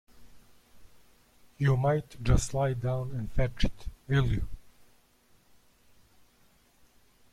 You might just slide down and fetch it, will you?